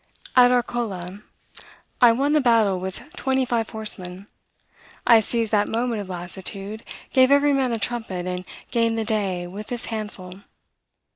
At Arcola, I won the battle with twenty five horsemen. I seized that moment of lassitude, gave every man a trumpet, and gained the day with this handful.